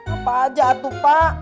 apa aja atuh pak